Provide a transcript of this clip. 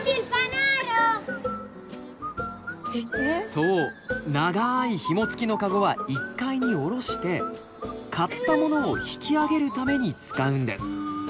そう長いひも付きのカゴは１階に下ろして買ったものを引き上げるために使うんです。